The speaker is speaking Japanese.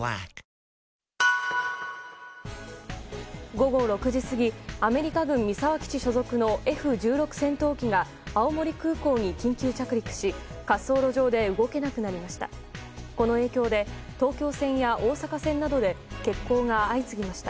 午後６時過ぎアメリカ軍三沢基地所属のＦ１６戦闘機が青森空港に緊急着陸し滑走路上で動けなくなりました。